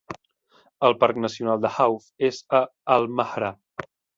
El parc nacional de Hauf és a Al Mahrah.